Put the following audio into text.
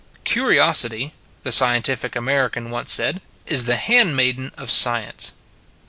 Curiosity [the " Scientific American " once said] is the hand maiden of Science.